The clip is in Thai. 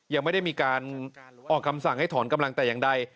ยังไม่ได้มีการออกคำสั่งให้ถอนกำลังแต่อย่างใด